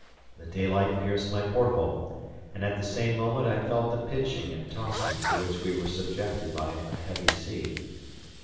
The daylight pierced my porthole; and at the same moment I felt the pitching and tossing to which we were subjected by a heavy sea.